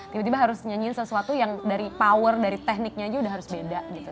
tiba tiba harus nyanyiin sesuatu yang dari power dari tekniknya aja udah harus beda gitu